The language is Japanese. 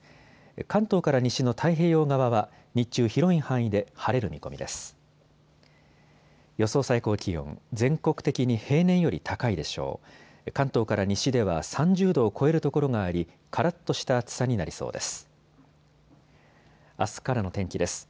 関東から西の太平洋側は日中広い範囲で晴れる見込みです。